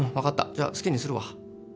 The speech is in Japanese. じゃあ好きにするわ。